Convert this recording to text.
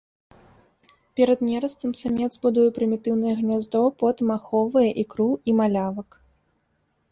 Перад нерастам самец будуе прымітыўнае гняздо, потым ахоўвае ікру і малявак.